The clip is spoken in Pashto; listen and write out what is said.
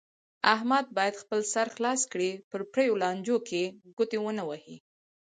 احمد باید خپل سر خلاص کړي، په پریو لانجو کې ګوتې و نه وهي.